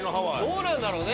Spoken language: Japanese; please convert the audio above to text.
どうなんだろうね。